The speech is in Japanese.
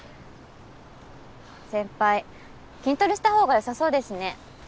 先輩筋トレしたほうが良さそうですね。